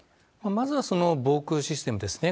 まずは防空システムですね。